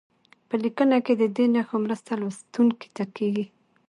په لیکنه کې د دې نښو مرسته لوستونکي ته کیږي.